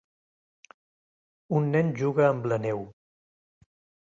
Un nen juga amb la neu.